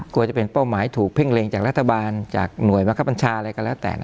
กลัวจะเป็นเป้าหมายถูกเพ่งเล็งจากรัฐบาลจากหน่วยบังคับบัญชาอะไรก็แล้วแต่